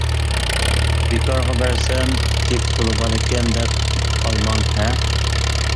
بىكارغا بەرسەم گېپى تولا بالىكەن دەپ قالماڭ ھە!